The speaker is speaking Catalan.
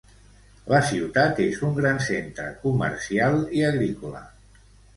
La ciutat és un gran centre comercial i agrícola.